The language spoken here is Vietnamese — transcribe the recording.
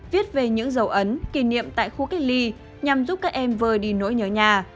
viết về những dấu ấn kỷ niệm tại khu cách ly nhằm giúp các em vơi đi nỗi nhớ nhà